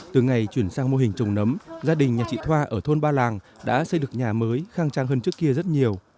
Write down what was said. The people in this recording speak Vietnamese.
từ ngày chuyển sang mô hình trồng nấm gia đình nhà chị thoa ở thôn ba làng đã xây được nhà mới khang trang hơn trước kia rất nhiều